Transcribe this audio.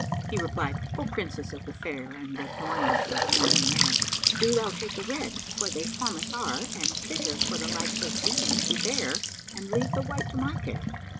He replied, "O Princess of the fair and adornment of morning air, do thou take the red for they formous are and fitter for the like of thee to bear and leave the white to my care."